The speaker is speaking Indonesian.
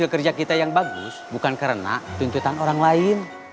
sampai ketemu lagi